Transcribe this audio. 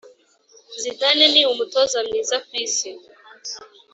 zidane ni umutoza mwiza ku isi